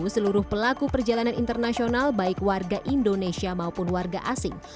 seluruh pelaku perjalanan internasional baik warga indonesia maupun warga asing